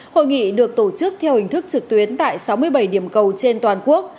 hội nghị được tổ chức theo hình thức trực tuyến tại sáu mươi bảy điểm cầu trên toàn quốc